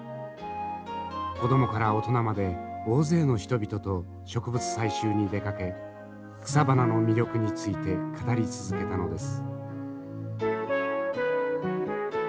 子供から大人まで大勢の人々と植物採集に出かけ草花の魅力について語り続けたのです。